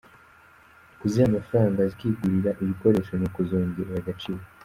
Kuziha amafaranga zikigurira ibikoresho ni ukuzongerera agaciro.